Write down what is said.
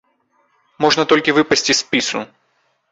Можна толькі выпасці з спісу.